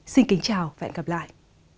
xin kính chào và hẹn gặp lại